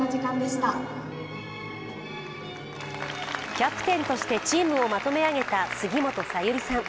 キャプテンとしてチームをまとめ上げた杉本早裕吏さん。